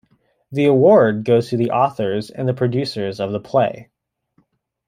The award goes to the authors and the producers of the play.